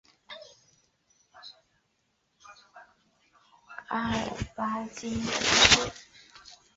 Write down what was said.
阿尔巴津人是中国人中俄罗斯后裔组成的民系之一。